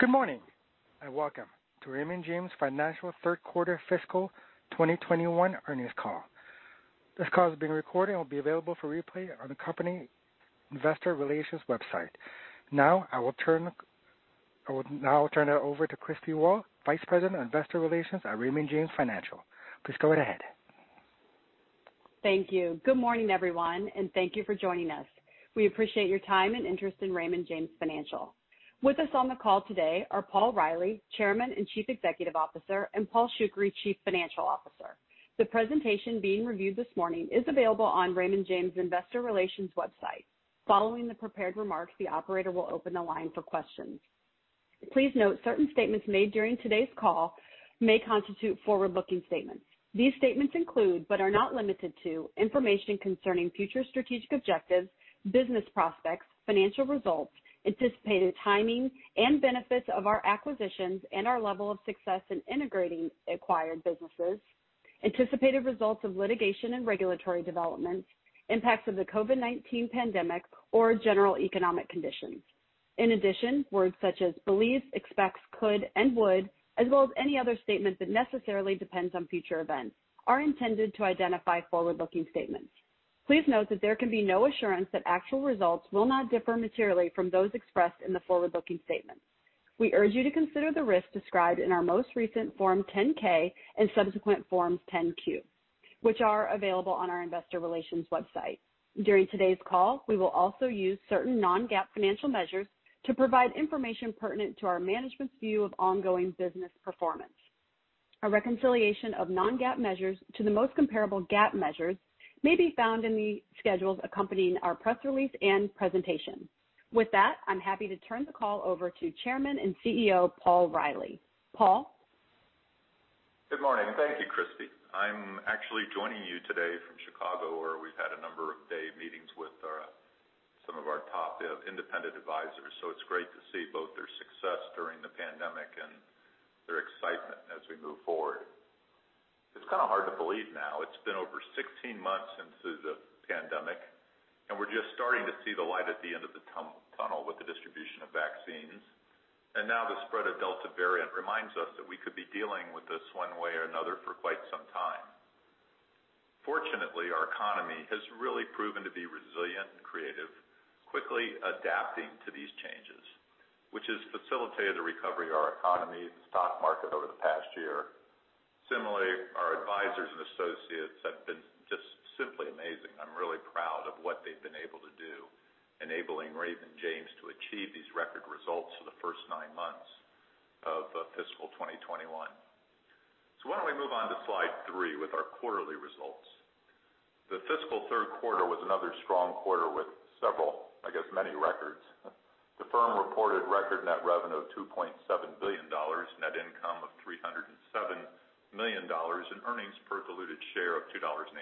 Good morning, and welcome to Raymond James Financial third quarter fiscal 2021 earnings call. This call is being recorded and will be available for replay on the company investor relations website. I will now turn it over to Kristina Waugh, Vice President of Investor Relations at Raymond James Financial. Please go ahead. Thank you. Good morning, everyone, and thank you for joining us. We appreciate your time and interest in Raymond James Financial. With us on the call today are Paul Reilly, Chairman and Chief Executive Officer, and Paul Shoukry, Chief Financial Officer. The presentation being reviewed this morning is available on Raymond James' investor relations website. Following the prepared remarks, the operator will open the line for questions. Please note, certain statements made during today's call may constitute forward-looking statements. These statements include, but are not limited to, information concerning future strategic objectives, business prospects, financial results, anticipated timing and benefits of our acquisitions, and our level of success in integrating acquired businesses, anticipated results of litigation and regulatory developments, impacts of the COVID-19 pandemic, or general economic conditions. In addition, words such as believes, expects, could, and would, as well as any other statement that necessarily depends on future events, are intended to identify forward-looking statements. Please note that there can be no assurance that actual results will not differ materially from those expressed in the forward-looking statements. We urge you to consider the risks described in our most recent Form 10-K and subsequent Forms 10-Q, which are available on our investor relations website. During today's call, we will also use certain non-GAAP financial measures to provide information pertinent to our management's view of ongoing business performance. A reconciliation of non-GAAP measures to the most comparable GAAP measures may be found in the schedules accompanying our press release and presentation. With that, I'm happy to turn the call over to Chairman and CEO, Paul Reilly. Paul? Good morning. Thank you, Kristie. I'm actually joining you today from Chicago, where we've had a number of day meetings with some of our top independent advisors. It's great to see both their success during the pandemic and their excitement as we move forward. It's kind of hard to believe now, it's been over 16 months since the pandemic, and we're just starting to see the light at the end of the tunnel with the distribution of vaccines. Now the spread of Delta variant reminds us that we could be dealing with this one way or another for quite some time. Fortunately, our economy has really proven to be resilient and creative, quickly adapting to these changes, which has facilitated the recovery of our economy, the stock market over the past year. Similarly, our advisors and associates have been just simply amazing. I'm really proud of what they've been able to do, enabling Raymond James to achieve these record results for the first nine months of fiscal 2021. Why don't we move on to slide three with our quarterly results. The fiscal third quarter was another strong quarter with several, I guess, many records. The firm reported record net revenue of $2.7 billion, net income of $307 million, and earnings per diluted share of $2.18.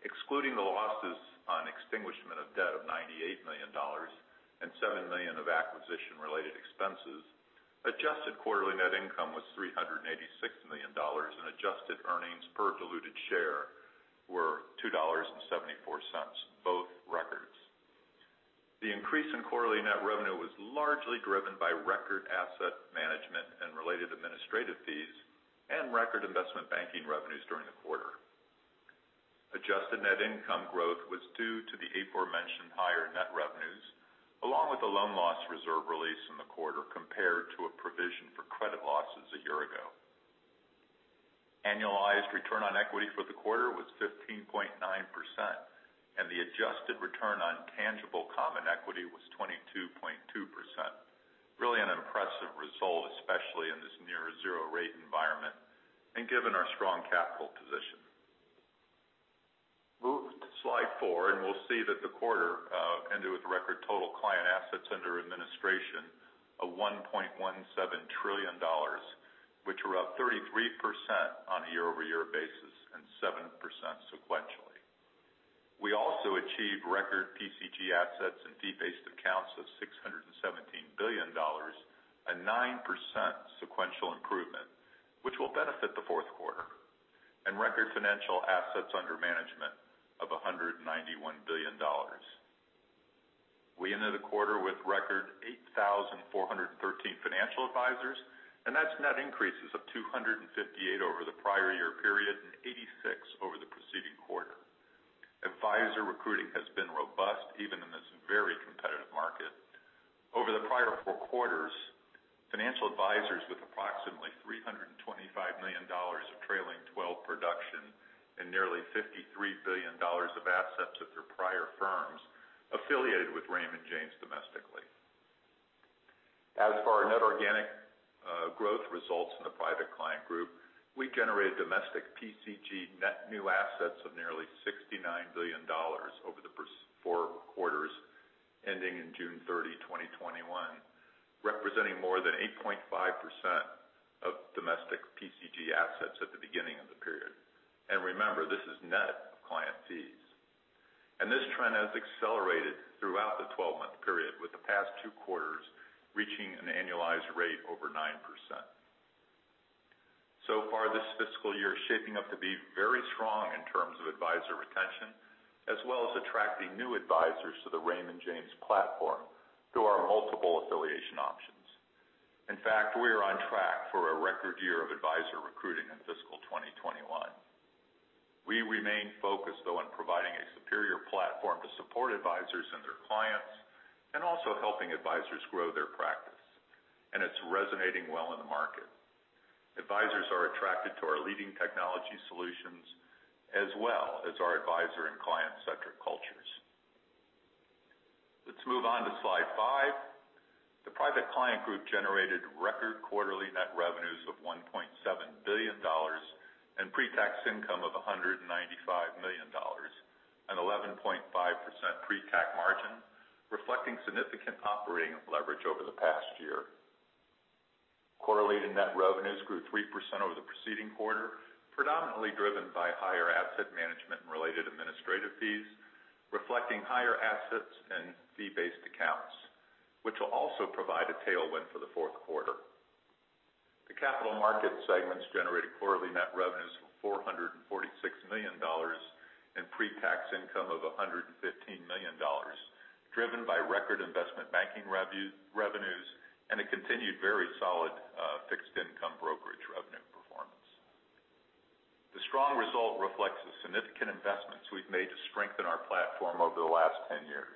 Excluding the losses on extinguishment of debt of $98 million and $7 million of acquisition-related expenses, adjusted quarterly net income was $386 million, and adjusted earnings per diluted share were $2.74, both records. The increase in quarterly net revenue was largely driven by record asset management and related administrative fees and record investment banking revenues during the quarter. Adjusted net income growth was due to the aforementioned higher net revenues, along with a loan loss reserve release in the quarter compared to a provision for credit losses a year ago. Annualized return on equity for the quarter was 15.9%, and the adjusted return on tangible common equity was 22.2%. Really an impressive result, especially in this near zero rate environment and given our strong capital position. Move to slide four, We'll see that the quarter ended with record total client assets under administration of $1.17 trillion, which were up 33% on a year-over-year basis and 7% sequentially. We also achieved record PCG assets and fee-based accounts of $617 billion, a 9% sequential improvement, which will benefit the fourth quarter, and record financial assets under management of $191 billion. We ended the quarter with record 8,413 financial advisors, that's net increases of 258 over the prior year period and 86 over the preceding quarter. Advisor recruiting has been robust even in this very competitive market. Over the prior four quarters, financial advisors with approximately $325 million of trailing 12 production and nearly $53 billion of assets at their prior firms affiliated with Raymond James domestically. As for our net organic growth results in the Private Client Group, we generated domestic PCG net new assets of nearly $69 billion over the four quarters ending in June 30th, 2021, representing more than 8.5% of domestic PCG assets at the beginning of the period. Remember, this is net of client fees. This trend has accelerated throughout the 12-month period, with the past two quarters reaching an annualized rate over 9%. So far, this fiscal year is shaping up to be very strong in terms of advisor retention, as well as attracting new advisors to the Raymond James platform through our multiple affiliation options. In fact, we are on track for a record year of advisor recruiting in fiscal 2021. We remain focused, though, on providing a superior platform to support advisors and their clients, and also helping advisors grow their practice, and it's resonating well in the market. Advisors are attracted to our leading technology solutions, as well as our advisor and client-centric cultures. Let's move on to slide five. The Private Client Group generated record quarterly net revenues of $1.7 billion and pre-tax income of $195 million, an 11.5% pre-tax margin, reflecting significant operating leverage over the past year. Quarterly net revenues grew 3% over the preceding quarter, predominantly driven by higher asset management and related administrative fees, reflecting higher assets and fee-based accounts, which will also provide a tailwind for the fourth quarter. The Capital Markets segments generated quarterly net revenues of $446 million and pre-tax income of $115 million, driven by record investment banking revenues and a continued very solid fixed income brokerage revenue performance. The strong result reflects the significant investments we've made to strengthen our platform over the last 10 years.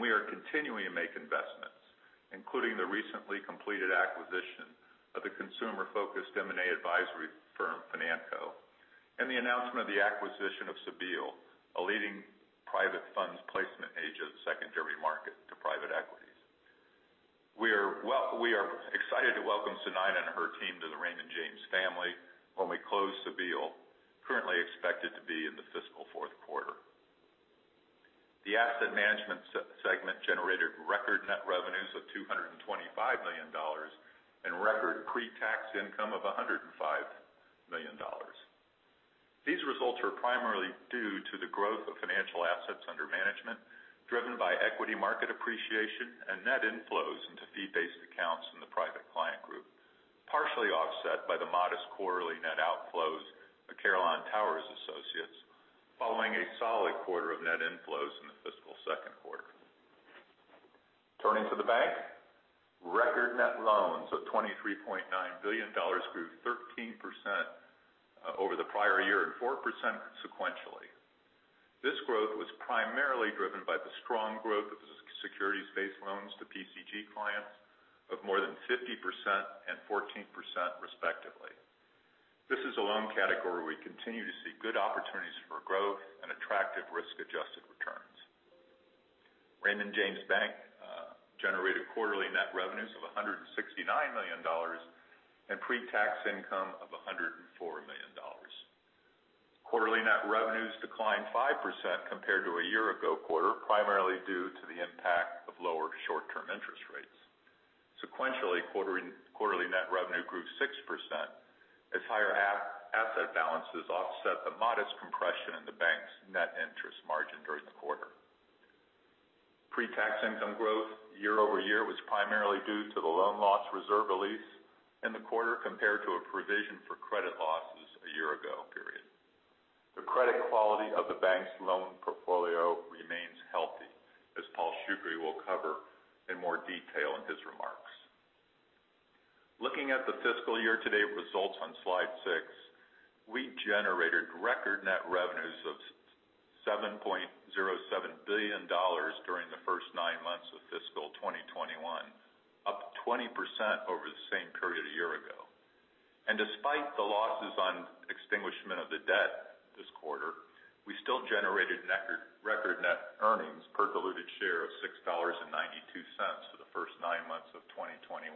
We are continuing to make investments, including the recently completed acquisition of the consumer-focused M&A advisory firm, Financo, and the announcement of the acquisition of Cebile, a leading private funds placement agent secondary market to private equities. We are excited to welcome Sunaina and her team to the Raymond James family when we close Cebile, currently expected to be in the fiscal fourth quarter. The Asset Management segment generated record net revenues of $225 million and record pre-tax income of $105 million. These results are primarily due to the growth of financial assets under management, driven by equity market appreciation and net inflows into fee-based accounts in the Private Client Group, partially offset by the modest quarterly net outflows of Carillon Tower Advisers following a solid quarter of net inflows in the fiscal second quarter. Turning to the bank, record net loans of $23.9 billion grew 13% over the prior year, and 4% sequentially. This growth was primarily driven by the strong growth of securities-based loans to PCG clients of more than 50% and 14%, respectively. This is a loan category we continue to see good opportunities for growth and attractive risk-adjusted returns. Raymond James Bank generated quarterly net revenues of $169 million and pre-tax income of $104 million. Quarterly net revenues declined 5% compared to a year ago quarter, primarily due to the impact of lower short-term interest rates. Sequentially, quarterly net revenue grew 6% as higher asset balances offset the modest compression in the bank's net interest margin during the quarter. Pre-tax income growth year-over-year was primarily due to the loan loss reserve release in the quarter compared to a provision for credit losses a year ago period. The credit quality of the bank's loan portfolio remains healthy, as Paul Shoukry will cover in more detail in his remarks. Looking at the fiscal year-to-date results on slide six, we generated record net revenues of $7.07 billion during the first nine months of fiscal 2021, up 20% over the same period a year ago. Despite the losses on extinguishment of the debt this quarter, we still generated record net earnings per diluted share of $6.92 for the first nine months of 2021.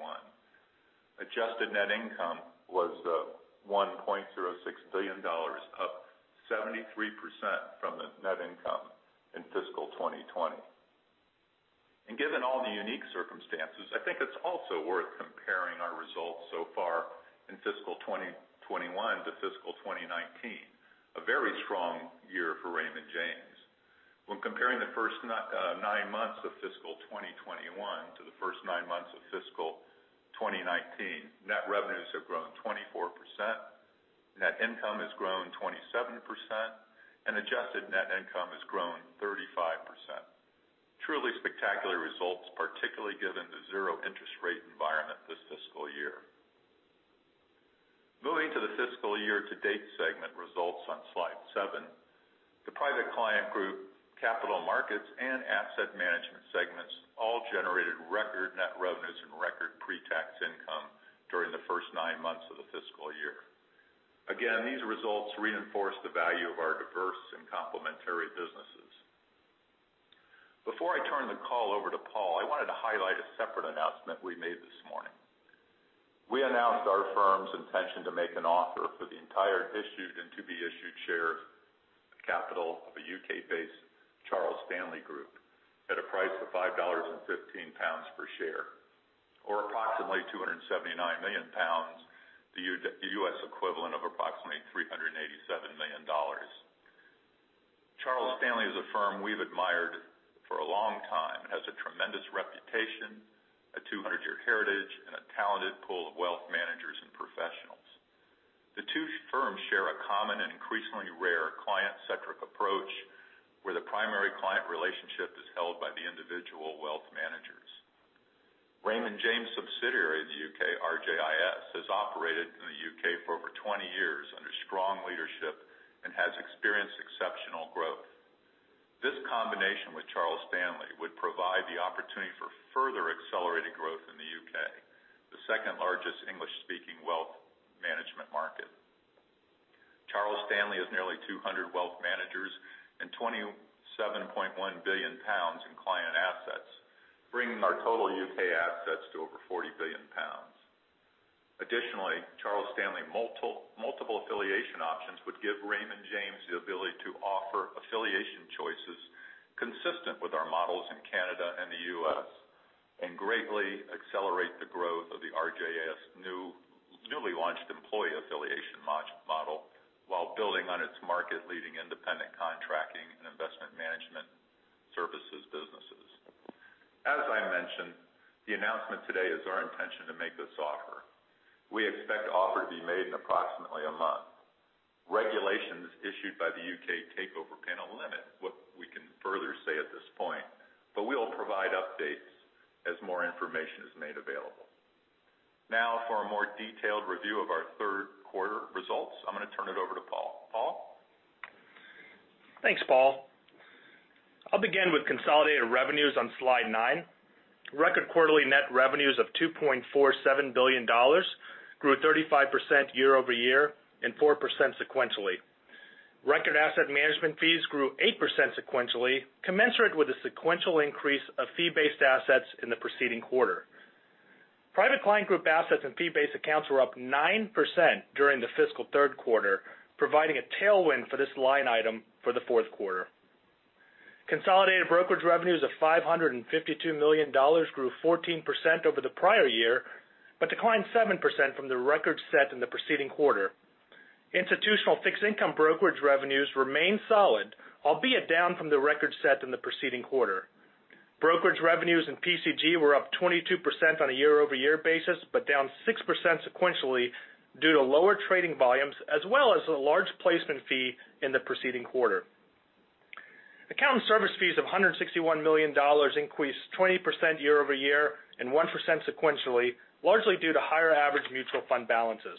Adjusted net income was $1.06 billion, up 73% from the net income in fiscal 2020. Given all the unique circumstances, I think it's also worth comparing our results so far in fiscal 2021 to fiscal 2019, a very strong year for Raymond James. When comparing the first nine months of fiscal 2021 to the first nine months of fiscal 2019, net revenues have grown 24%, net income has grown 27%, and adjusted net income has grown 35%. Truly spectacular results, particularly given the zero interest rate environment this fiscal year. Moving to the fiscal year-to-date segment results on slide seven, the Private Client Group, Capital Markets, and Asset Management segments all generated record net revenues and record pre-tax income during the first nine months of the fiscal year. These results reinforce the value of our diverse and complementary businesses. Before I turn the call over to Paul, I wanted to highlight a separate announcement we made this morning. We announced our firm's intention to make an offer for the entire issued and to-be-issued shares of capital of a U.K.-based Charles Stanley Group at a price of 5.15 pounds per share, or approximately 279 million pounds, the U.S. equivalent. We've admired for a long time, has a tremendous reputation, a 200-year heritage, and a talented pool of wealth managers and professionals. The two firms share a common and increasingly rare client-centric approach, where the primary client relationship is held by the individual wealth managers. Raymond James subsidiary in the U.K., RJIS, has operated in the U.K. for over 20 years under strong leadership and has experienced exceptional growth. This combination with Charles Stanley would provide the opportunity for further accelerated growth in the U.K., the second-largest English-speaking wealth management market. Charles Stanley has nearly 200 wealth managers and 27.1 billion pounds in client assets, bringing our total U.K. assets to over 40 billion pounds. Additionally, Charles Stanley multiple affiliation options would give Raymond James the ability to offer affiliation choices consistent with our models in Canada and the U.S., and greatly accelerate the growth of the RJIS newly launched employee affiliation model while building on its market-leading independent contracting and investment management services businesses. As I mentioned, the announcement today is our intention to make this offer. We expect the offer to be made in approximately a month. Regulations issued by the U.K. Takeover Panel limit what we can further say at this point, but we will provide updates as more information is made available. Now for a more detailed review of our third quarter results, I'm going to turn it over to Paul. Paul? Thanks, Paul. I'll begin with consolidated revenues on slide nine. Record quarterly net revenues of $2.47 billion, grew 35% year-over-year. 4% sequentially. Record asset management fees grew 8% sequentially, commensurate with the sequential increase of fee-based assets in the preceding quarter. Private Client Group assets and fee-based accounts were up 9% during the fiscal third quarter, providing a tailwind for this line item for the fourth quarter. Consolidated brokerage revenues of $552 million grew 14% over the prior year. Declined 7% from the record set in the preceding quarter. Institutional fixed income brokerage revenues remained solid, albeit down from the record set in the preceding quarter. Brokerage revenues in PCG were up 22% on a year-over-year basis, but down 6% sequentially due to lower trading volumes, as well as a large placement fee in the preceding quarter. Account service fees of $161 million increased 20% year-over-year and 1% sequentially, largely due to higher average mutual fund balances.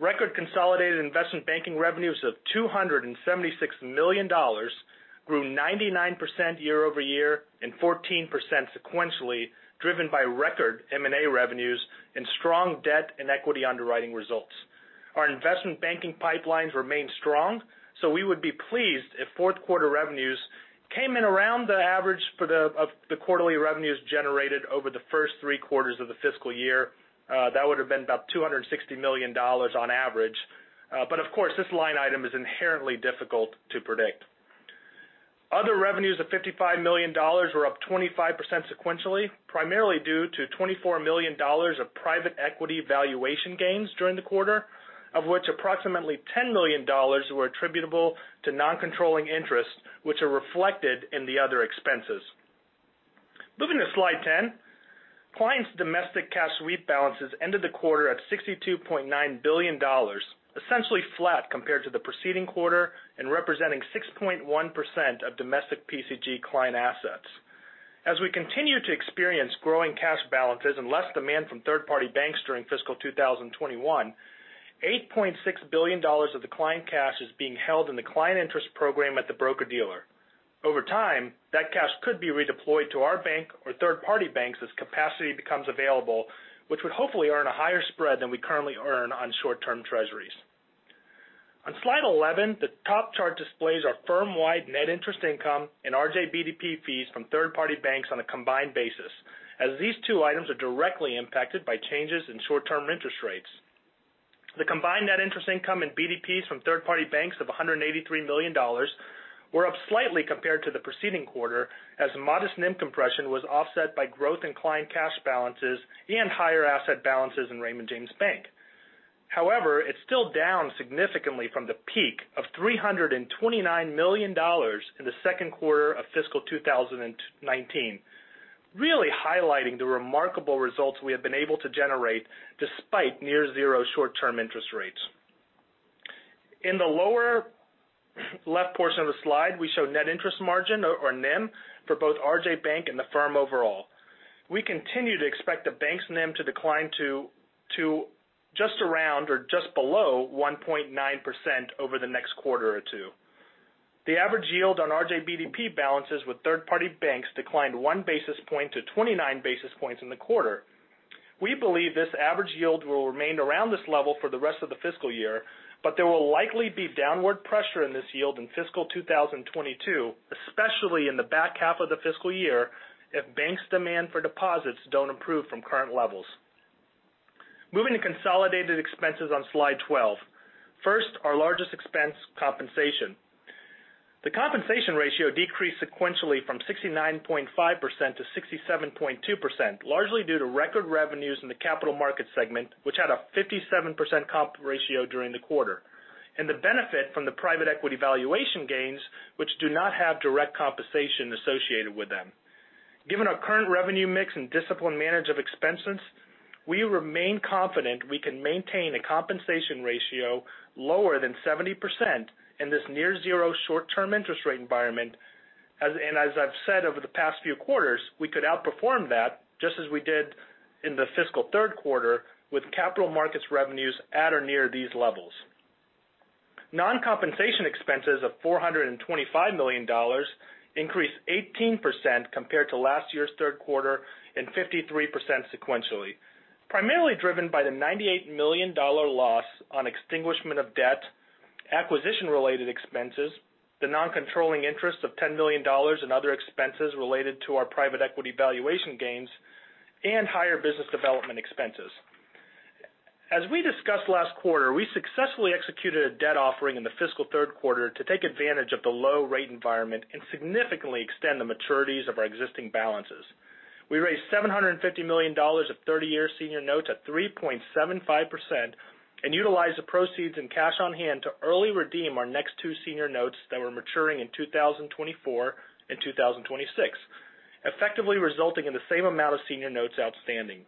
Record consolidated investment banking revenues of $276 million grew 99% year-over-year and 14% sequentially, driven by record M&A revenues and strong debt and equity underwriting results. Our investment banking pipelines remain strong, we would be pleased if fourth quarter revenues came in around the average of the quarterly revenues generated over the first three quarters of the fiscal year. That would've been about $260 million on average. Of course, this line item is inherently difficult to predict. Other revenues of $55 million were up 25% sequentially, primarily due to $24 million of private equity valuation gains during the quarter, of which approximately $10 million were attributable to non-controlling interests, which are reflected in the other expenses. Moving to slide 10. Clients' domestic cash sweep balances ended the quarter at $62.9 billion, essentially flat compared to the preceding quarter and representing 6.1% of domestic PCG client assets. As we continue to experience growing cash balances and less demand from third-party banks during fiscal 2021, $8.6 billion of the client cash is being held in the Client Interest Program at the broker-dealer. Over time, that cash could be redeployed to our bank or third-party banks as capacity becomes available, which would hopefully earn a higher spread than we currently earn on short-term treasuries. On slide 11, the top chart displays our firm-wide net interest income and RJBDP fees from third-party banks on a combined basis, as these two items are directly impacted by changes in short-term interest rates. The combined net interest income and BDPs from third-party banks of $183 million were up slightly compared to the preceding quarter, as modest NIM compression was offset by growth in client cash balances and higher asset balances in Raymond James Bank. It's still down significantly from the peak of $329 million in the second quarter of fiscal 2019, really highlighting the remarkable results we have been able to generate despite near zero short-term interest rates. In the lower left portion of the slide, we show net interest margin, or NIM, for both RJ Bank and the firm overall. We continue to expect the bank's NIM to decline to just around or just below 1.9% over the next quarter or two. The average yield on RJBDP balances with third-party banks declined one basis point to 29 basis points in the quarter. We believe this average yield will remain around this level for the rest of the fiscal year, but there will likely be downward pressure in this yield in fiscal 2022, especially in the back half of the fiscal year, if banks' demand for deposits don't improve from current levels. Moving to consolidated expenses on slide 12. First, our largest expense, compensation. The compensation ratio decreased sequentially from 69.5%-67.2%, largely due to record revenues in the Capital Markets segment, which had a 57% comp ratio during the quarter, and the benefit from the private equity valuation gains, which do not have direct compensation associated with them. Given our current revenue mix and disciplined manage of expenses, we remain confident we can maintain a compensation ratio lower than 70% in this near zero short-term interest rate environment. As I've said over the past few quarters, we could outperform that just as we did in the fiscal third quarter with Capital Markets revenues at or near these levels. Non-compensation expenses of $425 million increased 18% compared to last year's third quarter, and 53% sequentially. Primarily driven by the $98 million loss on extinguishment of debt, acquisition-related expenses, the non-controlling interest of $10 million in other expenses related to our private equity valuation gains, and higher business development expenses. As we discussed last quarter, we successfully executed a debt offering in the fiscal third quarter to take advantage of the low rate environment and significantly extend the maturities of our existing balances. We raised $750 million of 30-year senior notes at 3.75% and utilized the proceeds in cash on hand to early redeem our next two senior notes that were maturing in 2024 and 2026, effectively resulting in the same amount of senior notes outstanding.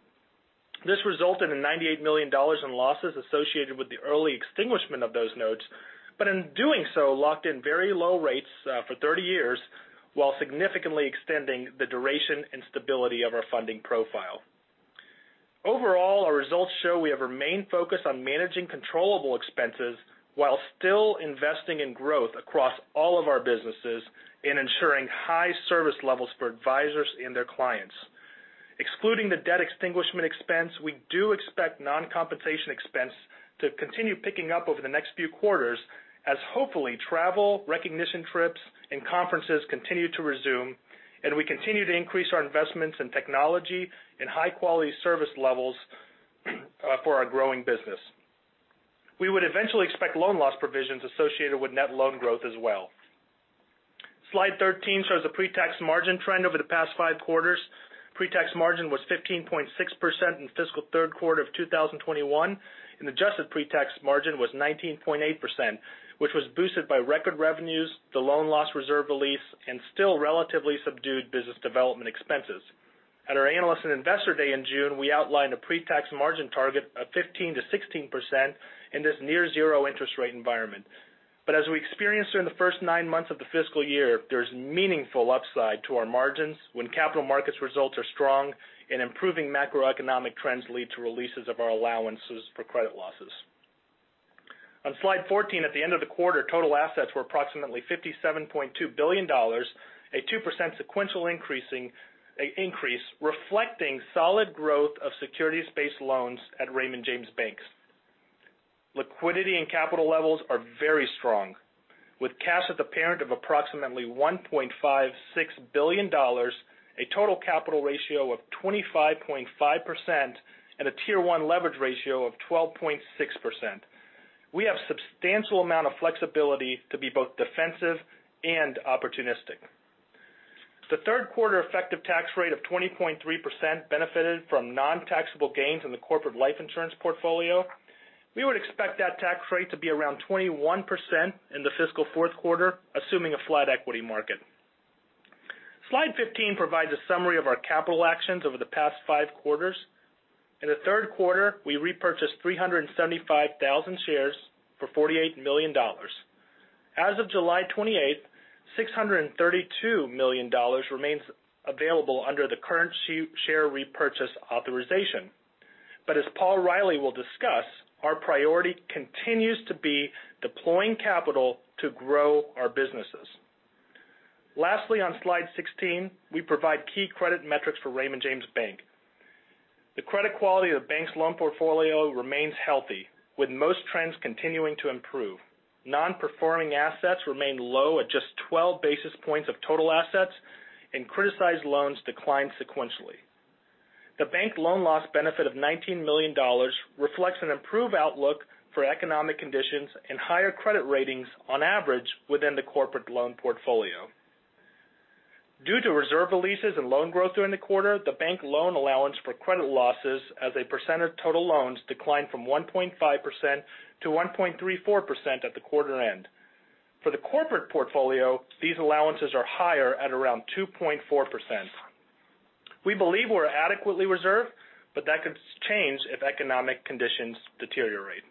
This resulted in $98 million in losses associated with the early extinguishment of those notes, but in doing so, locked in very low rates for 30 years while significantly extending the duration and stability of our funding profile. Overall, our results show we have remained focused on managing controllable expenses while still investing in growth across all of our businesses in ensuring high service levels for advisors and their clients. Excluding the debt extinguishment expense, we do expect non-compensation expense to continue picking up over the next few quarters as hopefully travel, recognition trips, and conferences continue to resume, and we continue to increase our investments in technology and high-quality service levels for our growing business. We would eventually expect loan loss provisions associated with net loan growth as well. Slide 13 shows the pre-tax margin trend over the past five quarters. Pre-tax margin was 15.6% in fiscal third quarter of 2021, and adjusted pre-tax margin was 19.8%, which was boosted by record revenues, the loan loss reserve release, and still relatively subdued business development expenses. At our Analyst and Investor Day in June, we outlined a pre-tax margin target of 15%-16% in this near 0% interest rate environment. As we experienced during the first nine months of the fiscal year, there's meaningful upside to our margins when Capital Markets results are strong and improving macroeconomic trends lead to releases of our allowances for credit losses. On slide 14, at the end of the quarter, total assets were approximately $57.2 billion, a 2% sequential increase reflecting solid growth of securities-based loans at Raymond James Bank. Liquidity and capital levels are very strong, with cash at the parent of approximately $1.56 billion, a total capital ratio of 25.5%, and a Tier 1 leverage ratio of 12.6%. We have substantial amount of flexibility to be both defensive and opportunistic. The third quarter effective tax rate of 20.3% benefited from non-taxable gains in the corporate life insurance portfolio. We would expect that tax rate to be around 21% in the fiscal fourth quarter, assuming a flat equity market. Slide 15 provides a summary of our capital actions over the past five quarters. In the third quarter, we repurchased 375,000 shares for $48 million. As of July 28th, $632 million remains available under the current share repurchase authorization. As Paul Reilly will discuss, our priority continues to be deploying capital to grow our businesses. Lastly, on Slide 16, we provide key credit metrics for Raymond James Bank. The credit quality of the bank's loan portfolio remains healthy, with most trends continuing to improve. Non-performing assets remain low at just 12 basis points of total assets, and criticized loans declined sequentially. The bank loan loss benefit of $19 million reflects an improved outlook for economic conditions and higher credit ratings on average within the corporate loan portfolio. Due to reserve releases and loan growth during the quarter, the bank loan allowance for credit losses as a percent of total loans declined from 1.5%-1.34% at the quarter end. For the corporate portfolio, these allowances are higher at around 2.4%. We believe we're adequately reserved, but that could change if economic conditions deteriorate.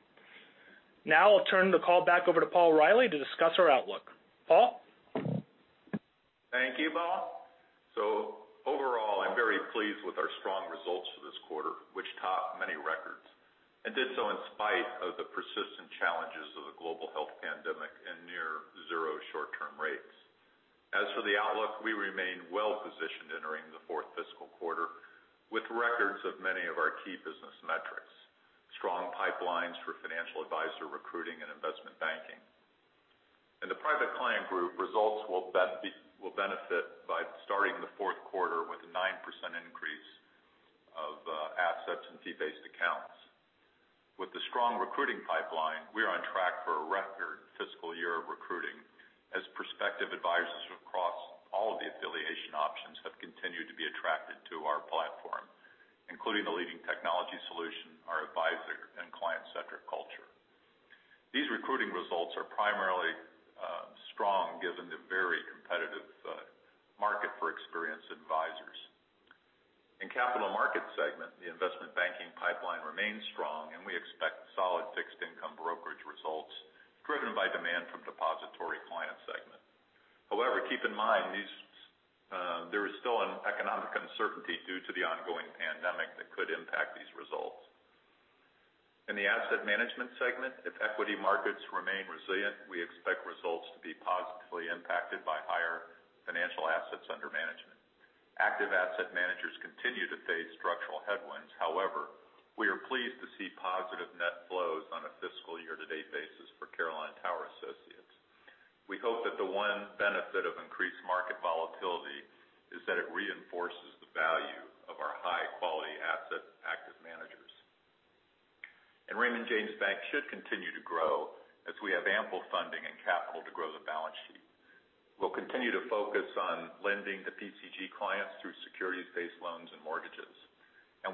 Now, I'll turn the call back over to Paul Reilly to discuss our outlook. Paul? Thank you, Paul. Overall, I'm very pleased with our strong results for this quarter, which top many records, and did so in spite of the persistent challenges of the global health pandemic and near zero short-term rates. As for the outlook, we remain well-positioned entering the fourth fiscal quarter with records of many of our key business metrics. Strong pipelines for financial advisor recruiting and investment banking. In the Private Client Group, results will benefit by starting the fourth quarter with a 9% increase of assets in fee-based accounts. With the strong recruiting pipeline, we are on track for a record fiscal year of recruiting as prospective advisors across all of the affiliation options have continued to be attracted to our platform, including the leading technology solution our advisor group. These recruiting results are primarily strong given the very competitive market for experienced advisors. In Capital Markets segment, the investment banking pipeline remains strong, and we expect solid fixed income brokerage results driven by demand from depository client segment. However, keep in mind, there is still an economic uncertainty due to the ongoing pandemic that could impact these results. In the Asset Management segment, if equity markets remain resilient, we expect results to be positively impacted by higher financial assets under management. Active asset managers continue to face structural headwinds. However, we are pleased to see positive net flows on a fiscal year-to-date basis for Carillon Tower Advisers. We hope that the one benefit of increased market volatility is that it reinforces the value of our high-quality asset active managers. Raymond James Bank should continue to grow as we have ample funding and capital to grow the balance sheet. We'll continue to focus on lending to PCG clients through securities-based loans and mortgages.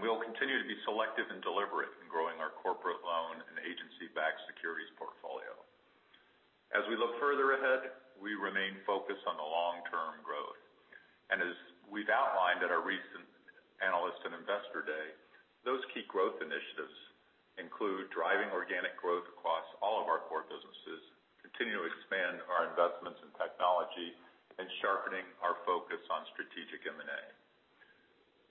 We will continue to be selective and deliberate in growing our corporate loan and agency-backed securities portfolio. As we look further ahead, we remain focused on the long-term growth. As we've outlined at our recent Analyst and Investor Day, those key growth initiatives include driving organic growth across all of our core businesses, continue to expand our investments in technology, and sharpening our focus on strategic M&A.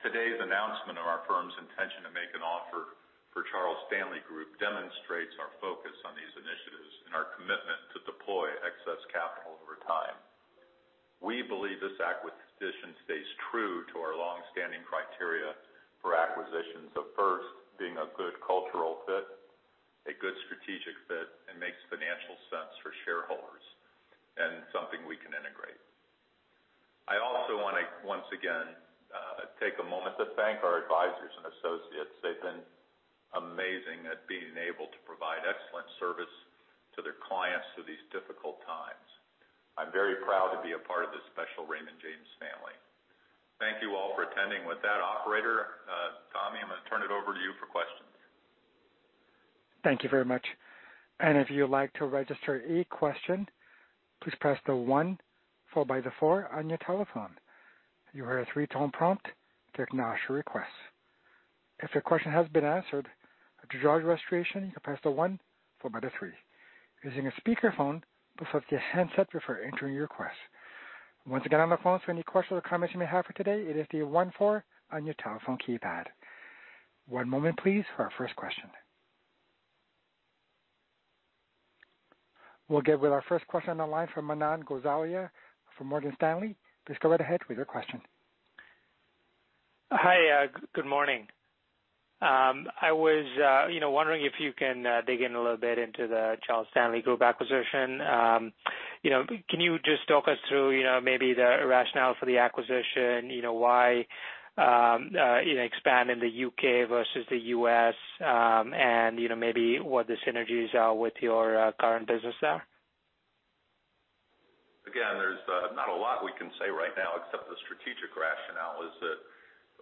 Today's announcement of our firm's intention to make an offer for Charles Stanley Group demonstrates our focus on these initiatives and our commitment to deploy excess capital over time. We believe this acquisition stays true to our long-standing criteria for acquisitions of first being a good cultural fit, a good strategic fit, and makes financial sense for shareholders, and something we can integrate. I also want to, once again, take a moment to thank our advisors and associates. They've been amazing at being able to provide excellent service to their clients through these difficult times. I'm very proud to be a part of this special Raymond James family. Thank you all for attending. With that operator, Tommy, I'm going to turn it over to you for questions. Thank you very much. If you'd like to register a question, please press the one followed by the four on your telephone. You'll hear a three-tone prompt to acknowledge your request. If your question has been answered, to withdraw your registration, you press the one followed by the three. Using a speakerphone, please mute your handset before entering your request. Once again, on the phone, for any questions or comments you may have for today, it is the one four on your telephone keypad. One moment please, for our first question. We'll get with our first question on the line from Manan Gosalia from Morgan Stanley. Please go right ahead with your question. Hi, good morning. I was wondering if you can dig in a little bit into the Charles Stanley Group acquisition? Can you just talk us through maybe the rationale for the acquisition? Why expand in the U.K. versus the U.S., and maybe what the synergies are with your current business there? There's not a lot we can say right now except the strategic rationale is that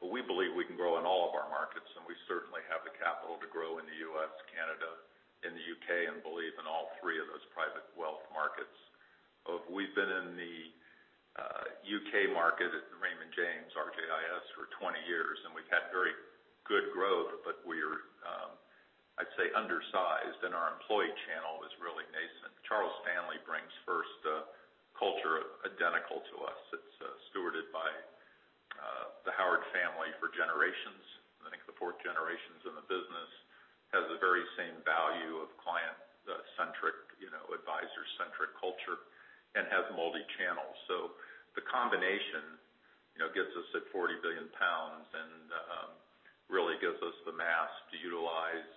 we believe we can grow in all of our markets, and we certainly have the capital to grow in the U.S., Canada, and the U.K., and believe in all three of those private wealth markets. We've been in the U.K. market at the Raymond James, RJIS for 20 years, and we've had very good growth, but we're, I'd say, undersized, and our employee channel is really nascent. Charles Stanley brings first a culture identical to us. It's stewarded by the Howard family for generations. I think the fourth generation's in the business. Has the very same value of client-centric, advisor-centric culture, and has multi-channels. The combination gets us at 40 billion pounds and really gives us the mass to utilize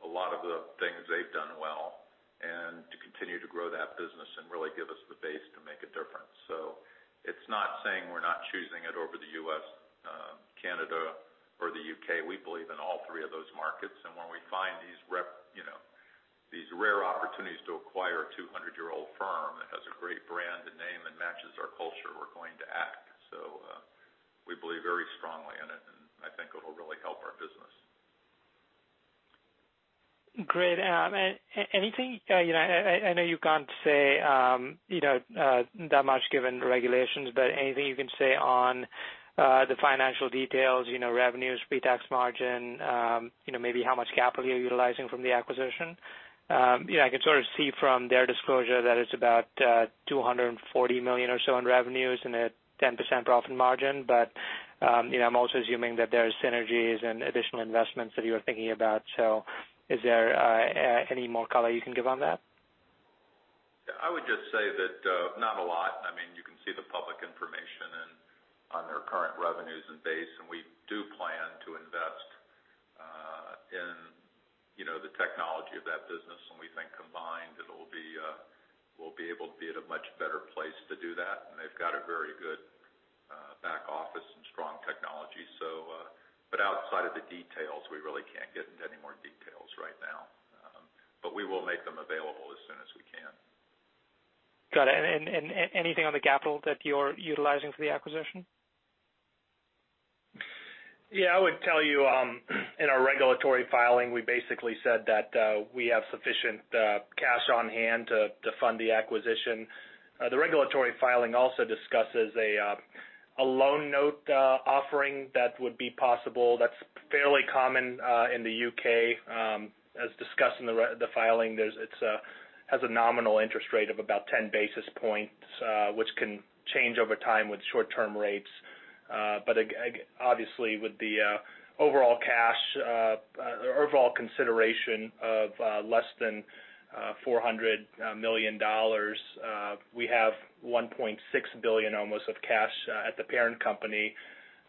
a lot of the things they've done well and to continue to grow that business and really give us the base to make a difference. It's not saying we're not choosing it over the U.S., Canada, or the U.K. We believe in all three of those markets, and when we find these rare opportunities to acquire a 200-year-old firm that has a great brand, a name that matches our culture, we're going to act. We believe very strongly in it, and I think it will really help our business. Great. I know you can't say that much given the regulations, anything you can say on the financial details, revenues, pre-tax margin, maybe how much capital you're utilizing from the acquisition? I can sort of see from their disclosure that it's about $240 million or so in revenues and a 10% profit margin. I'm also assuming that there's synergies and additional investments that you are thinking about. Is there any more color you can give on that? I would just say that not a lot. You can see the public information on their current revenues and base, and we do plan to invest in the technology of that business, and we think combined, we'll be able to be at a much better place to do that. They've got a very good back office and strong technology. Outside of the details, we really can't get into any more details right now. But we will make them available as soon as we can. Got it. Anything on the capital that you're utilizing for the acquisition? Yeah. I would tell you, in our regulatory filing, we basically said that we have sufficient cash on hand to fund the acquisition. The regulatory filing also discusses a loan note offering that would be possible. That's fairly common in the U.K. As discussed in the filing, it has a nominal interest rate of about 10 basis points, which can change over time with short-term rates. Obviously, with the overall consideration of less than $400 million, we have $1.6 billion almost of cash at the parent company.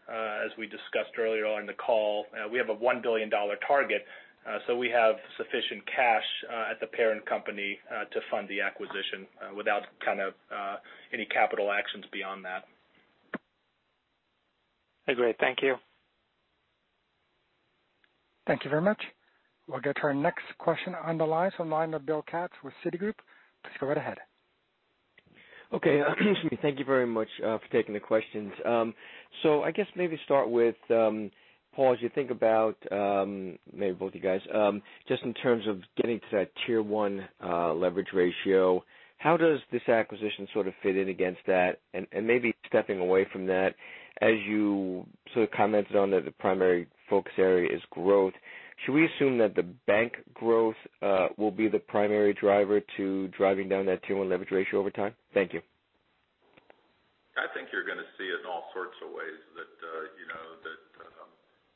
As we discussed earlier on the call, we have a $1 billion target. We have sufficient cash at the parent company to fund the acquisition without any capital actions beyond that. Great, thank you. Thank you very much. We'll get to our next question on the line from Bill Katz with Citigroup. Please go right ahead. Okay. Thank you very much for taking the questions. I guess maybe start with, Paul, as you think about, maybe both you guys, just in terms of getting to that Tier 1 leverage ratio, how does this acquisition sort of fit in against that? Maybe stepping away from that, as you sort of commented on that the primary focus area is growth, should we assume that the bank growth will be the primary driver to driving down that Tier 1 leverage ratio over time? Thank you. I think you're going to see in all sorts of ways that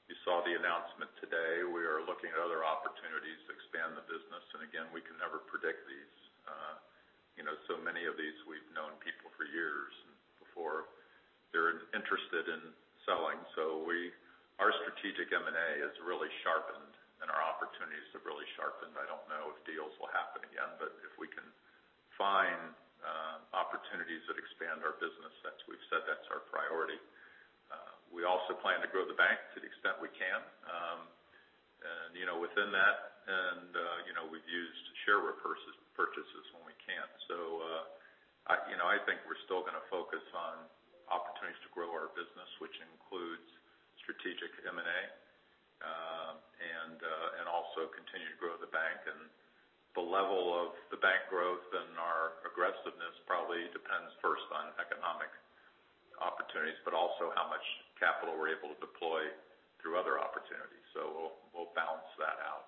you saw the announcement today. We are looking at other opportunities to expand the business. Again, we can never predict these. Many of these we've known people for years and before they're interested in selling. Our strategic M&A has really sharpened and our opportunities have really sharpened. I don't know if deals will happen again, but if we can find opportunities that expand our business, we've said that's our priority. We also plan to grow the bank to the extent we can. Within that, we've used share repurchases when we can. I think we're still going to focus on opportunities to grow our business, which includes strategic M&A, and also continue to grow the bank. The level of the bank growth and our aggressiveness probably depends first on economic opportunities, but also how much capital we're able to deploy through other opportunities. We'll balance that out.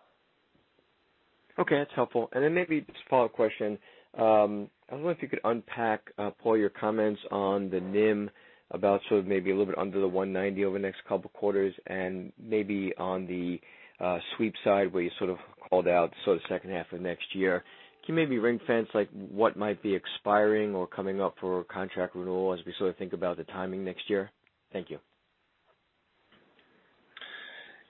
Okay, that's helpful. Then maybe just a follow-up question. I don't know if you could unpack, Paul, your comments on the NIM about maybe a little bit under the 190 over the next couple of quarters and maybe on the sweep side where you sort of called out the second half of next year. Can you maybe ring-fence what might be expiring or coming up for contract renewal as we sort of think about the timing next year? Thank you.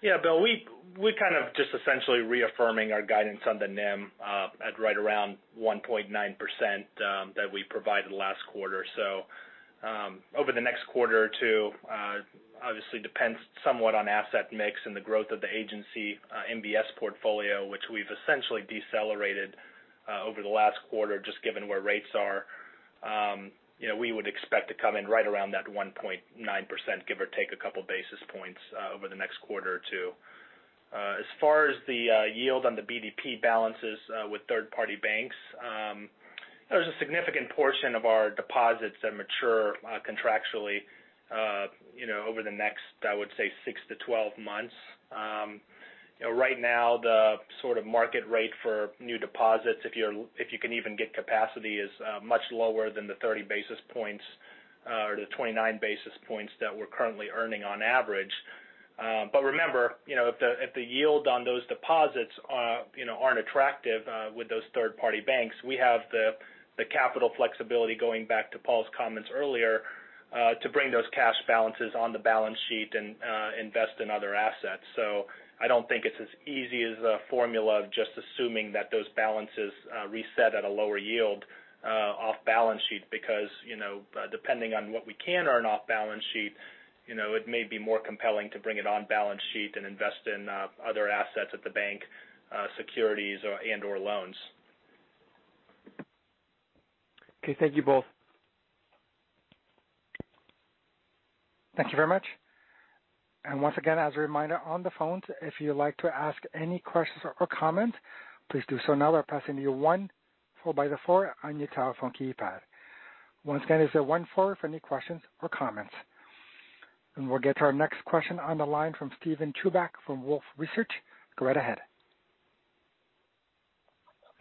Yeah, Bill, we're kind of just essentially reaffirming our guidance on the NIM at right around 1.9% that we provided last quarter. Over the next quarter or two, obviously depends somewhat on asset mix and the growth of the agency MBS portfolio, which we've essentially decelerated over the last quarter just given where rates are. We would expect to come in right around that 1.9%, give or take a couple basis points over the next quarter or two. As far as the yield on the BDP balances with third-party banks, there's a significant portion of our deposits that mature contractually over the next, I would say, 6-12 months. Right now, the sort of market rate for new deposits, if you can even get capacity, is much lower than the 30 basis points or the 29 basis points that we're currently earning on average. Remember, if the yield on those deposits aren't attractive with those third-party banks, we have the capital flexibility going back to Paul's comments earlier to bring those cash balances on the balance sheet and invest in other assets. I don't think it's as easy as a formula of just assuming that those balances reset at a lower yield off balance sheet because depending on what we can earn off balance sheet, it may be more compelling to bring it on balance sheet and invest in other assets at the bank, securities and/or loans. Okay, thank you both. Thank you very much. Once again, as a reminder on the phones, if you'd like to ask any questions or comments, please do so now by pressing the one followed by the four on your telephone keypad. Once again, it's one four for any questions or comments. We'll get to our next question on the line from Steven Chubak from Wolfe Research. Go right ahead.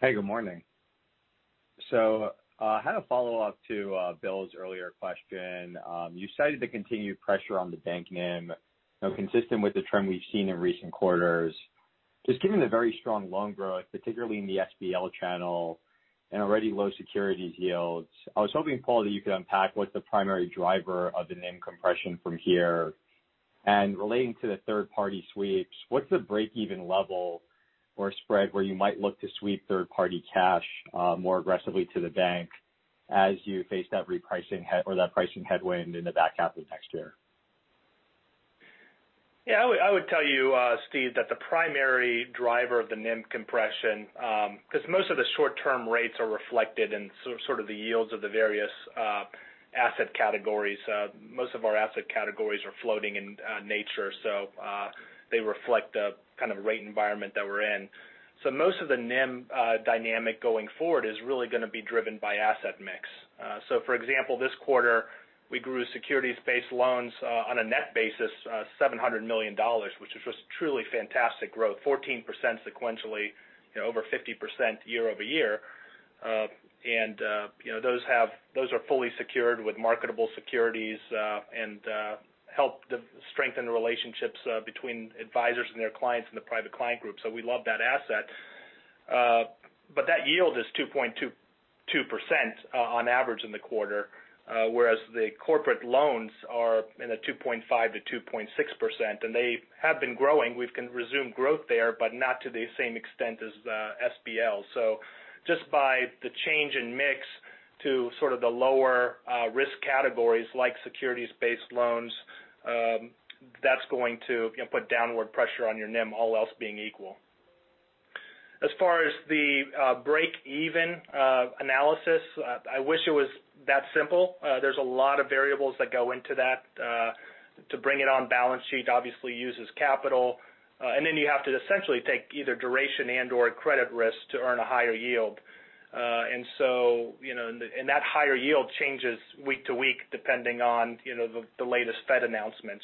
Hey, good morning. I had a follow-up to Bill's earlier question. You cited the continued pressure on the bank NIM, consistent with the trend we've seen in recent quarters. Just given the very strong loan growth, particularly in the SBL channel and already low securities yields, I was hoping, Paul, that you could unpack what the primary driver of the NIM compression from here. Relating to the third-party sweeps, what's the break-even level or spread where you might look to sweep third-party cash more aggressively to the bank as you face that repricing or that pricing headwind into back half of next year? I would tell you, Steve, that the primary driver of the NIM compression, because most of the short-term rates are reflected in sort of the yields of the various asset categories. Most of our asset categories are floating in nature, so they reflect the kind of rate environment that we're in. Most of the NIM dynamic going forward is really going to be driven by asset mix. For example, this quarter, we grew securities-based loans on a net basis, $700 million, which was just truly fantastic growth. 14% sequentially, over 50% year-over-year. Those are fully secured with marketable securities and help strengthen the relationships between advisors and their clients in the Private Client Group. We love that asset. That yield is 2.22% on average in the quarter, whereas the corporate loans are in the 2.5%-2.6%, and they have been growing. We've resumed growth there, but not to the same extent as SBL. Just by the change in mix to sort of the lower risk categories like securities-based loans, that's going to put downward pressure on your NIM, all else being equal. As far as the break-even analysis, I wish it was that simple. There's a lot of variables that go into that. To bring it on balance sheet obviously uses capital, and then you have to essentially take either duration and/or credit risk to earn a higher yield. That higher yield changes week to week, depending on the latest Fed announcement.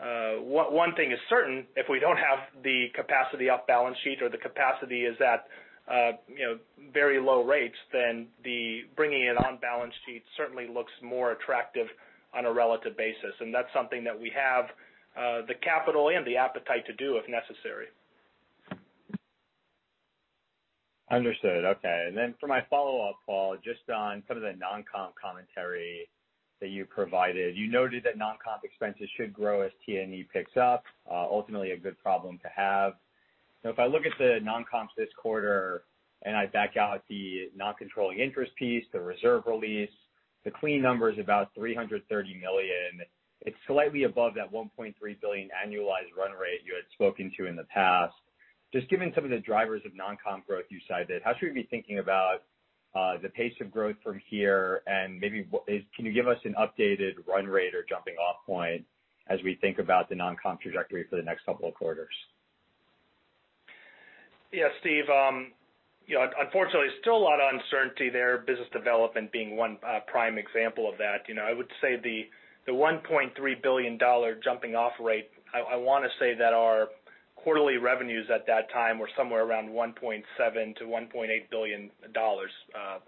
One thing is certain, if we don't have the capacity off balance sheet or the capacity is at very low rates, then the bringing it on balance sheet certainly looks more attractive on a relative basis. That's something that we have the capital and the appetite to do if necessary. Understood. Okay. For my follow-up, Paul, just on some of the non-comp commentary that you provided. You noted that non-comp expenses should grow as T&E picks up. Ultimately a good problem to have. If I look at the non-comps this quarter and I back out the non-controlling interest piece, the reserve release, the clean number is about $330 million. It's slightly above that $1.3 billion annualized run rate you had spoken to in the past. Just given some of the drivers of non-comp growth you cited, how should we be thinking about the pace of growth from here? Maybe can you give us an updated run rate or jumping-off point as we think about the non-comp trajectory for the next couple of quarters? Yeah, Steve. Unfortunately, still a lot of uncertainty there, business development being 1 prime example of that. I would say the $1.3 billion jumping-off rate, I want to say that our quarterly revenues at that time were somewhere around $1.7 billion-$1.8 billion.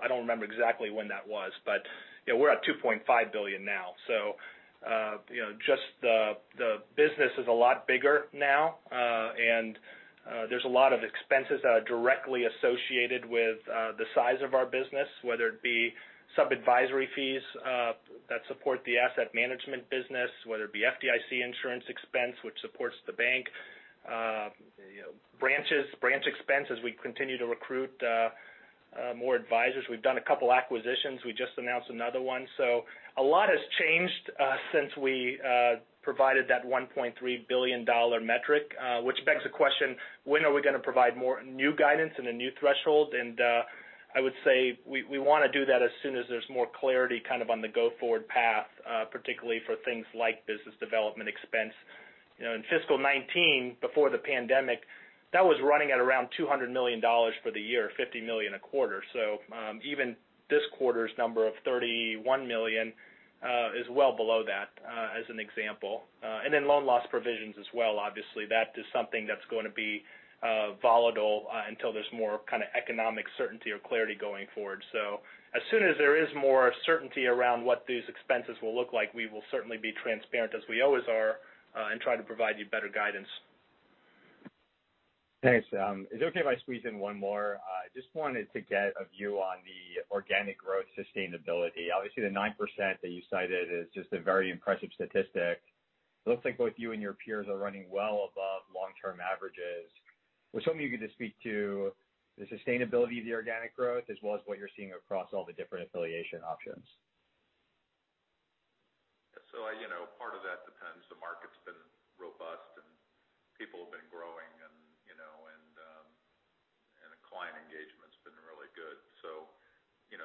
I don't remember exactly when that was, but we're at $2.5 billion now. Just the business is a lot bigger now. There's a lot of expenses that are directly associated with the size of our business, whether it be sub-advisory fees that support the Asset Management business, whether it be FDIC insurance expense, which supports the bank branches, branch expense as we continue to recruit more advisors. We've done a couple of acquisitions. We just announced another one. A lot has changed since we provided that $1.3 billion metric which begs the question, when are we going to provide more new guidance and a new threshold? I would say we want to do that as soon as there's more clarity kind of on the go-forward path, particularly for things like business development expense. In fiscal 2019, before the pandemic, that was running at around $200 million for the year, $50 million a quarter. Even this quarter's number of $31 million is well below that, as an example. Loan loss provisions as well, obviously, that is something that's going to be volatile until there's more kind of economic certainty or clarity going forward. As soon as there is more certainty around what these expenses will look like, we will certainly be transparent, as we always are, and try to provide you better guidance. Thanks. Is it okay if I squeeze in one more? I just wanted to get a view on the organic growth sustainability. Obviously, the 9% that you cited is just a very impressive statistic. It looks like both you and your peers are running well above long-term averages. I was hoping you could just speak to the sustainability of the organic growth as well as what you're seeing across all the different affiliation options. Part of that depends. The market's been robust and people have been growing and the client engagement's been really good.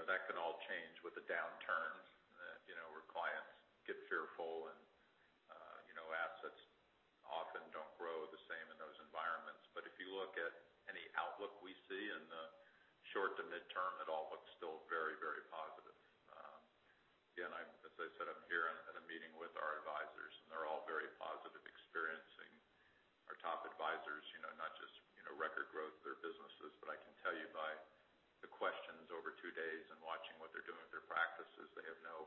That can all change with the downturn where clients get fearful and assets often don't grow the same in those environments. If you look at any outlook we see in the short to midterm, it all looks still very, very positive. Again, as I said, I'm here in a meeting with our advisors, and they're all very positive experiencing our top advisors, not just record growth of their businesses, but I can tell you by the questions over two days and watching what they're doing with their practices, they have no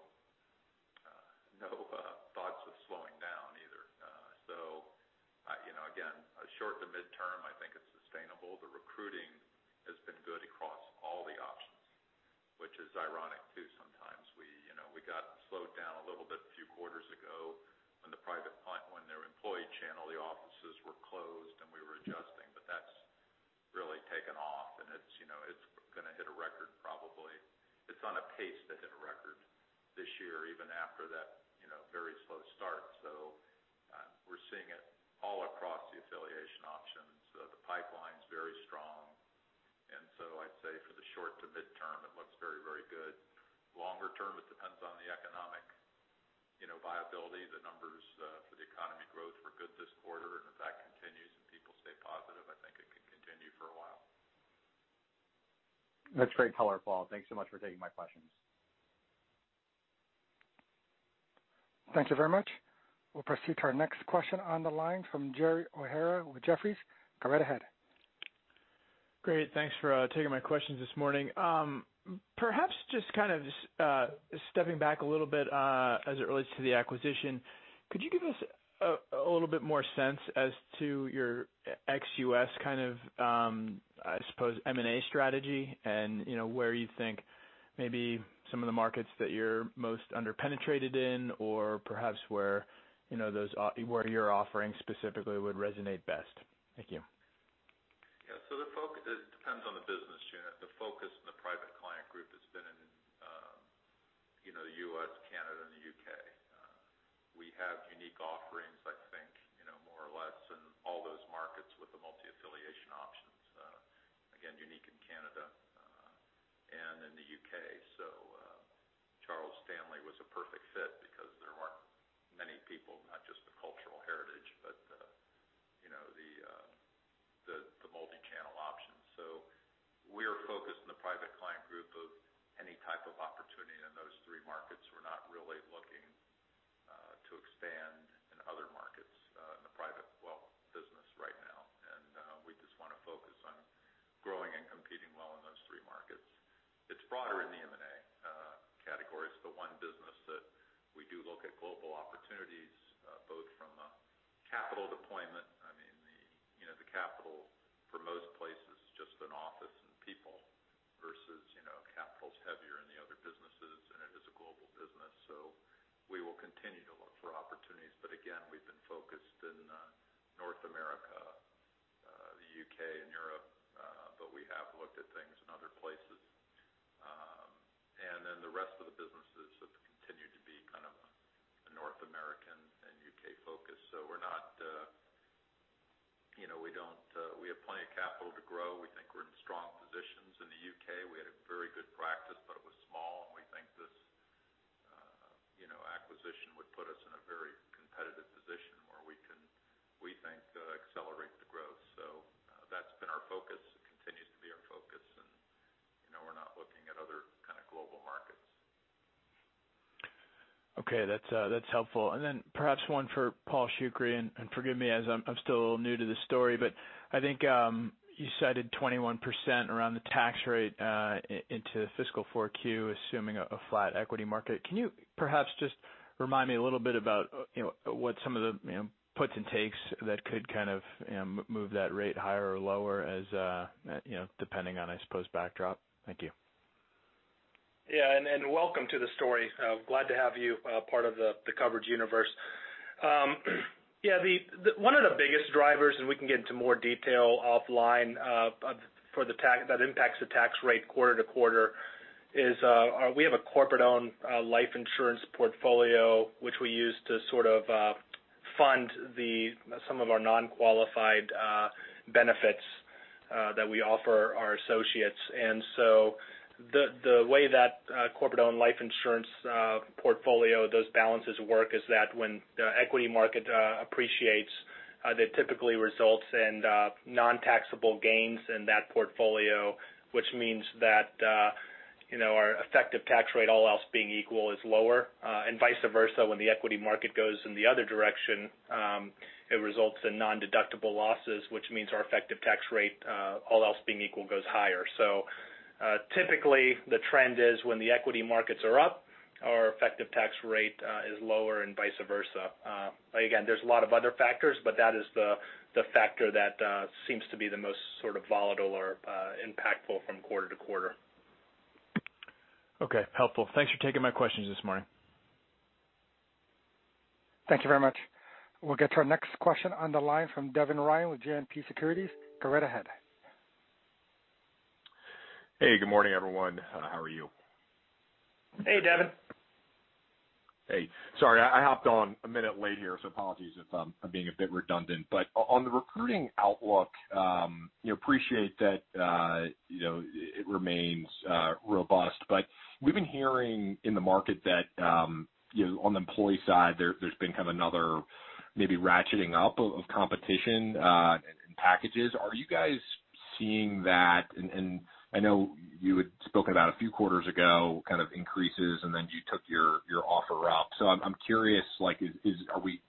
thoughts of slowing down either. Again, short to midterm, I think it's sustainable. The recruiting has been good across all the options, which is ironic too sometimes. We got slowed down a little bit a few quarters ago when their employee channel often it's going to hit a record, probably. It's on a pace to hit a record this year even after that very slow start. We're seeing it all across the affiliation options. The pipeline's very strong. I'd say for the short to mid-term, it looks very, very good. Longer term, it depends on the economic viability. The numbers for the economy growth were good this quarter. If that continues and people stay positive, I think it could continue for a while. That's great color, Paul. Thanks so much for taking my questions. Thank you very much. We'll proceed to our next question on the line from Gerald O'Hara with Jefferies. Go right ahead. Great, thanks for taking my questions this morning. Perhaps just kind of stepping back a little bit as it relates to the acquisition, could you give us a little bit more sense as to your ex-U.S. kind of, I suppose M&A strategy and where you think maybe some of the markets that you're most under-penetrated in or perhaps where your offerings specifically would resonate best? Thank you. Yeah. It depends on the business unit. The focus on the Private Client Group has been in the U.S., Canada, and the U.K. We have unique offerings, I think, more or less in all those markets with the multi-affiliation options. Again, unique in Canada and in the U.K. Charles Stanley was a perfect fit because there aren't many people, not just the cultural heritage, but the multi-channel options. We're focused on the Private Client Group of any type of opportunity in those three markets. We're not really looking to expand in other markets in the private wealth business right now. We just want to focus on growing and competing well in those three markets. It's broader in the M&A category. It's the one business that we do look at global opportunities both from a capital deployment. The capital for most places is just an office and people versus capital's heavier in the other businesses, and it is a global business. We will continue to look for opportunities. Again, we've been focused in North America, the U.K., and Europe, but we have looked at things in other places. The rest of the businesses have continued to be kind of a North American and U.K. focus. We have plenty of capital to grow. We think we're in strong positions in the U.K. We had a very good practice, but it was small, and we think this acquisition would put us in a very competitive position where we think that'll accelerate the growth. That's been our focus. It continues to be our focus, and we're not looking at other kind of global markets. Okay, that's helpful. Perhaps one for Paul Shoukry, and forgive me as I'm still a little new to this story, but I think you cited 21% around the tax rate into fiscal 4Q assuming a flat equity market. Can you perhaps just remind me a little bit about what some of the puts and takes that could kind of move that rate higher or lower as depending on, I suppose, backdrop? Thank you. Yeah, welcome to the story. Glad to have you part of the coverage universe. One of the biggest drivers, and we can get into more detail offline, that impacts the tax rate quarter-to-quarter is we have a corporate-owned life insurance portfolio which we use to sort of fund some of our non-qualified benefits that we offer our associates. The way that corporate-owned life insurance portfolio, those balances work is that when the equity market appreciates, that typically results in non-taxable gains in that portfolio, which means that our effective tax rate all else being equal is lower. Vice versa when the equity market goes in the other direction it results in non-deductible losses, which means our effective tax rate all else being equal goes higher. Typically, the trend is when the equity markets are up, our effective tax rate is lower and vice versa. Again, there's a lot of other factors, but that is the factor that seems to be the most sort of volatile or impactful from quarter-to-quarter. Okay. Helpful. Thanks for taking my questions this morning. Thank you very much. We'll get to our next question on the line from Devin Ryan with JMP Securities. Go right ahead. Hey, good morning, everyone. How are you? Hey, Devin. Hey. Sorry, I hopped on a minute late here, so apologies if I'm being a bit redundant. On the recruiting outlook, appreciate that it remains robust. We've been hearing in the market that on the employee side, there's been kind of another maybe ratcheting up of competition and packages. Are you guys seeing that? I know you had spoken about a few quarters ago kind of increases, and then you took your offer up. I'm curious, are we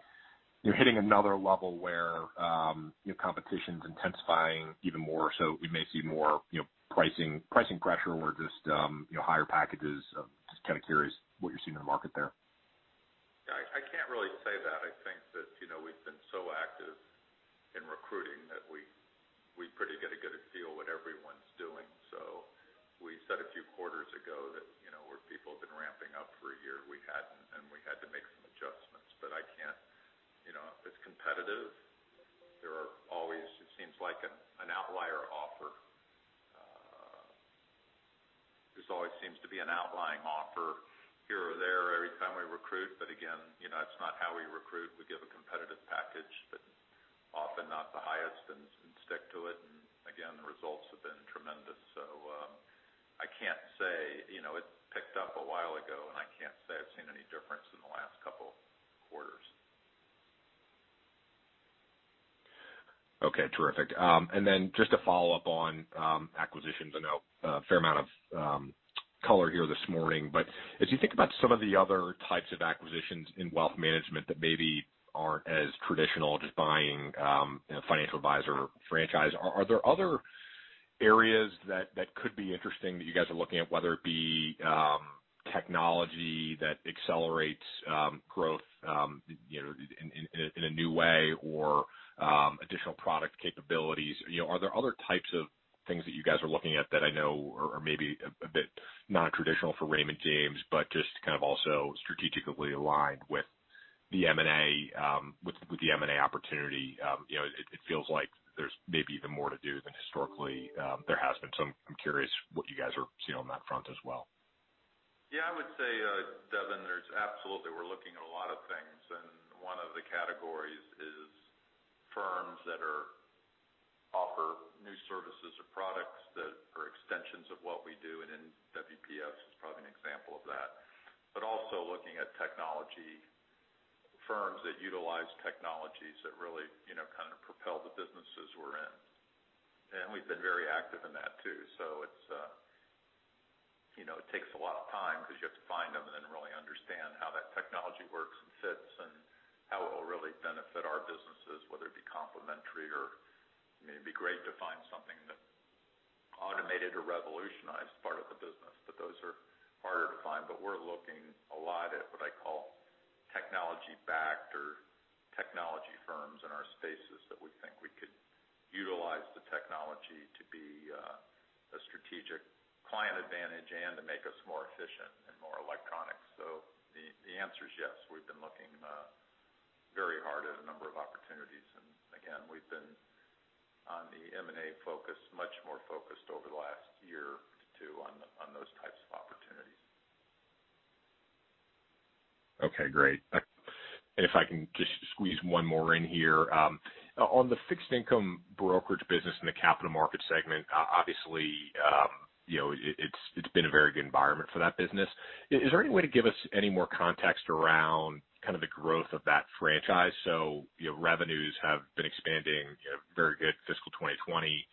hitting another level where competition's intensifying even more so we may see more pricing pressure or just higher packages? Just kind of curious what you're seeing in the market there. I can't really say that. I think that we've been so active in recruiting that we pretty get a good feel what everyone's doing. It's competitive. There always seems like an outlier offer. There always seems to be an outlying offer here or there every time we recruit. Again, it's not how we recruit. We give a competitive package that's often not the highest, and stick to it. Again, the results have been tremendous. It picked up a while ago. I can't say I've seen any difference in the last couple quarters. Okay, terrific. Just to follow up on acquisitions, I know a fair amount of color here this morning. As you think about some of the other types of acquisitions in wealth management that maybe aren't as traditional, just buying a financial advisor franchise, are there other areas that could be interesting that you guys are looking at, whether it be technology that accelerates growth in a new way or additional product capabilities? Are there other types of things that you guys are looking at that I know are maybe a bit non-traditional for Raymond James, but just kind of also strategically aligned with the M&A opportunity? It feels like there's maybe even more to do than historically there has been. I'm curious what you guys are seeing on that front as well. Yeah, I would say, Devin, there's absolutely, we're looking at a lot of things. One of the categories is firms that offer new services or products that are extensions of what we do. NWPS is probably an example of that. Also looking at technology firms that utilize technologies that really kind of propel the businesses we're in. We've been very active in that too. It takes a lot of time because you have to find them and then really understand how that technology works and fits, and how it will really benefit our businesses, whether it be complementary or maybe great to find something that automated or revolutionized part of the business. Those are harder to find. We're looking a lot at what I call technology-backed or technology firms in our spaces that we think we could utilize the technology to be a strategic client advantage and to make us more efficient and more electronic. The answer is yes. We've been looking very hard at a number of opportunities. Again, we've been on the M&A focus much more focused over the last year or two on those types of opportunities. Okay, great. If I can just squeeze one more in here. On the fixed income brokerage business in the Capital Markets segment, obviously, it's been a very good environment for that business. Is there any way to give us any more context around kind of the growth of that franchise? Revenues have been expanding, very good fiscal 2020,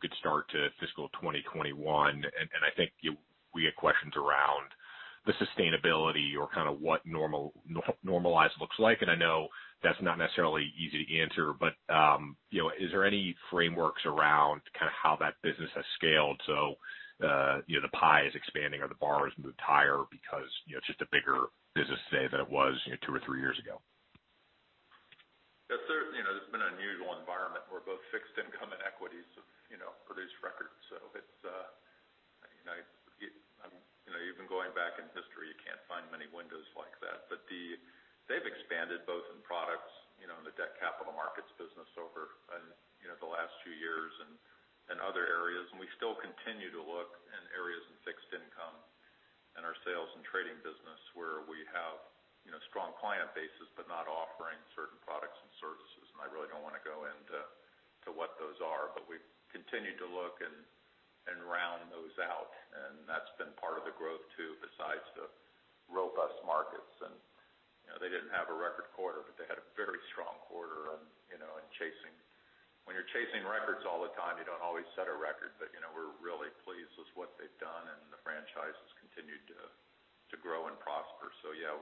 good start to fiscal 2021. I think we had questions around the sustainability or kind of what normalized looks like. I know that's not necessarily easy to answer, but is there any frameworks around kind of how that business has scaled? The pie is expanding or the bar has moved higher because it's just a bigger business today than it was two or three years ago. It's been an unusual environment where both fixed income and equities have produced records. Even going back in history, you can't find many windows like that. They've expanded both in products in the debt capital markets business over the last few years and other areas. We still continue to look in areas in fixed income and our sales and trading business where we have strong client bases, but not offering certain products and services. I really don't want to go into what those are, but we've continued to look and round those out. That's been part of the growth too, besides the robust markets. They didn't have a record quarter, but they had a very strong quarter. When you're chasing records all the time, you don't always set a record. We're really pleased with what they've done, and the franchise has continued to grow and prosper. Yeah,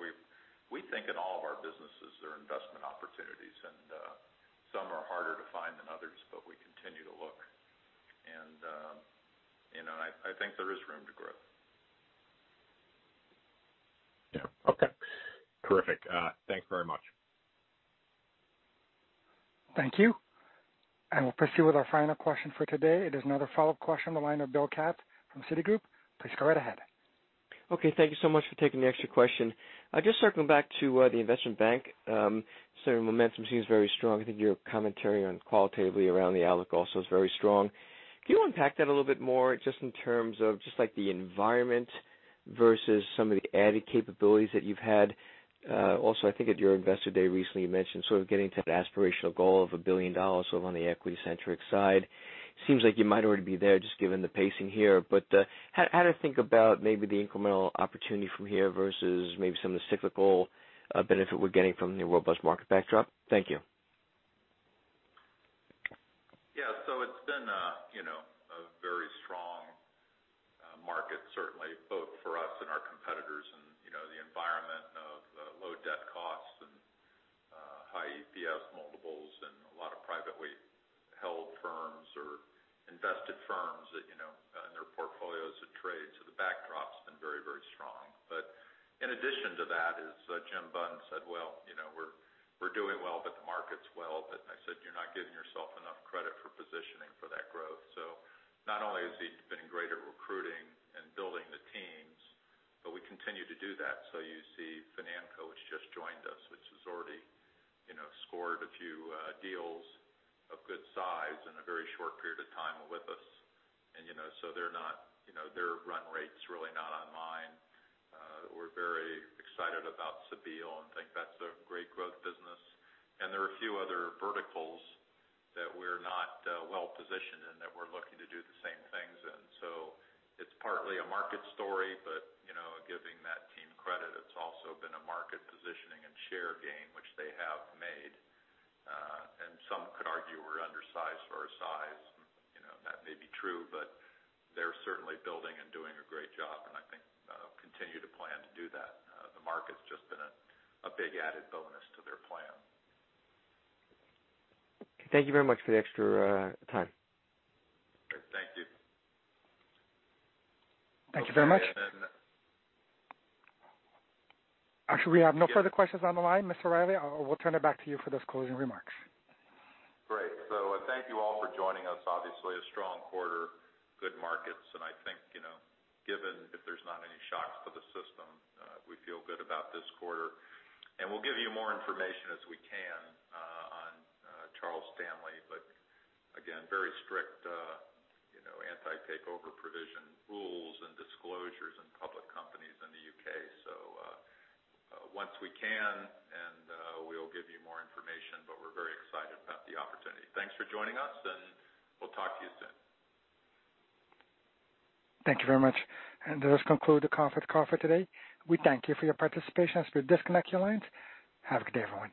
we think in all of our businesses there are investment opportunities, and some are harder to find than others, but we continue to look. I think there is room to grow. Yeah, okay. Terrific, thanks very much. Thank you. We'll proceed with our final question for today. It is another follow-up question on the line of Bill Katz from Citigroup. Please go right ahead. Okay, thank you so much for taking the extra question. Circling back to the investment bank. Momentum seems very strong. I think your commentary on qualitatively around the outlook also is very strong. Can you unpack that a little bit more just in terms of just like the environment versus some of the added capabilities that you've had? I think at your Investor Day recently, you mentioned sort of getting to that aspirational goal of $1 billion sort of on the equity-centric side. Seems like you might already be there just given the pacing here. How to think about maybe the incremental opportunity from here versus maybe some of the cyclical benefit we're getting from the robust market backdrop? Thank you. Yeah. It's been a very strong market, certainly both for us and our competitors. The environment of low debt costs and high EPS multiples and a lot of privately held firms or invested firms in their portfolios of trades. The backdrop's been very, very strong. In addition to that is, Jim Bunn said, "Well, we're doing well, but the market's well." I said, "You're not giving yourself enough credit for positioning for that growth." Not only has he been great at recruiting and building the teams, but we continue to do that. You see Financo, which just joined us, which has already scored a few deals of good size in a very short period of time with us. Their run rate's really not online. We're very excited about Cebile and think that's a great growth business. There are a few other verticals that we're not well-positioned in that we're looking to do the same things in. It's partly a market story, but giving that team credit, it's also been a market positioning and share gain, which they have made. Some could argue we're undersized for our size. That may be true, but they're certainly building and doing a great job, and I think continue to plan to do that. The market's just been a big added bonus to their plan. Thank you very much for the extra time. Thank you. Thank you very much. Actually, we have no further questions on the line, Mr. Reilly. We'll turn it back to you for those closing remarks. Great. Thank you all for joining us. Obviously a strong quarter, good markets. I think given if there's not any shocks to the system, we feel good about this quarter. We'll give you more information as we can on Charles Stanley. Again, very strict anti-takeover provision rules and disclosures in public companies in the U.K. Once we can, and we'll give you more information, but we're very excited about the opportunity. Thanks for joining us, and we'll talk to you soon. Thank you very much. This concludes the conference call for today. We thank you for your participation. As we disconnect your lines. Have a good day, everyone.